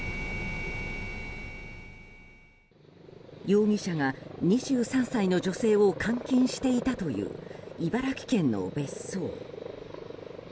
容疑者が２３歳の女性を監禁していたという茨城県の別荘。